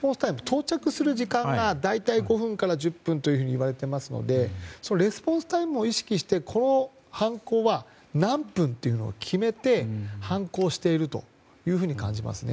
到着する時間が大体５分から１０分というふうにいわれていますのでレスポンスタイムを意識してこの犯行は何分というのを決めて犯行しているというふうに感じますね。